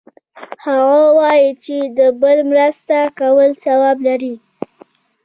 هغه وایي چې د بل مرسته کول ثواب لری